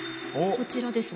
こちらですね。